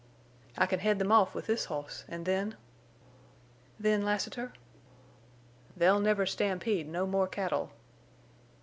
"I can head them off with this hoss, an' then—" "Then, Lassiter?" "They'll never stampede no more cattle."